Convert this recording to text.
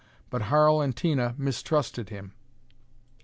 But Harl and Tina mistrusted him.